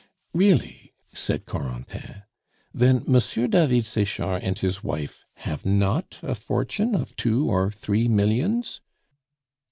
"Really!" said Corentin. "Then Monsieur David Sechard and his wife have not a fortune of two or three millions?"